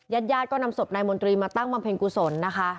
ญาติญาติก็นำศพนายมนตรีมาตั้งบำเพ็ญกุศลนะคะ